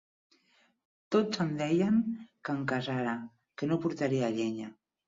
Tots em deien que em casara, que no portaria llenya.